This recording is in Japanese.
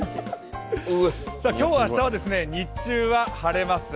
今日、明日は日中は晴れます。